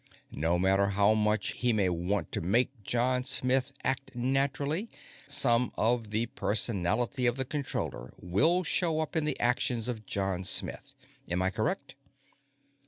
No matter how much he may want to make John Smith act naturally, some of the personality of the Controller will show up in the actions of John Smith. Am I correct?"